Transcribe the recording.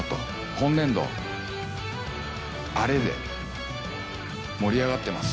今年度、アレで盛り上がってます。